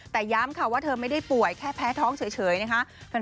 แต่ย้ำค่ะว่าเธอไม่ได้ป่วยแค่แพ้ท้องเฉยนะคะ